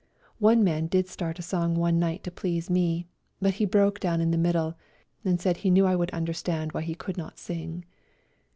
One man did start a 50 A RIDE TO KALABAC song one night to please me, but he broke down in the middle and said he knew I would understand why he could not sing.